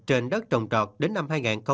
trên đất trồng trọt đến năm hai nghìn hai mươi hai